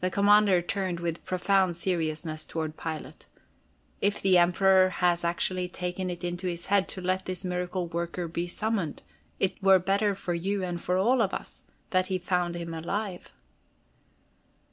The Commander turned with profound seriousness toward Pilate. "If the Emperor has actually taken it into his head to let this miracle worker be summoned, it were better for you and for all of us that he found him alive."